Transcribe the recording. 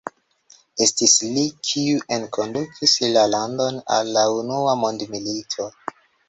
Estis li, kiu enkondukis la landon al la Unua mondmilito.